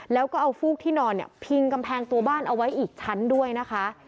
แล้วก็เอาฟูกที่นอนเนี่ยพิงกำแพงตัวบ้านเอาไว้อีกชั้นด้วยนะคะ